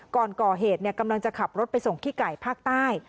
ก่อนก่อเหตุกำลังจะขับรถไปส่งขี้ไก่ภาคใต้